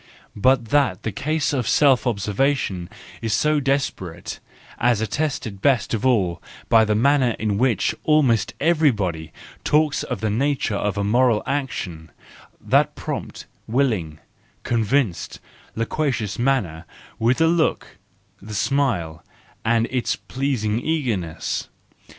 But that the case of self observation is so desperate, is attested best of all by the manner in which almost everybody talks of the nature of a moral action, that prompt, willing, convinced, loquacious manner, with its look, its smile, and its pleasing eagerness!